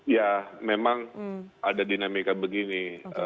ya memang ada dinamika begini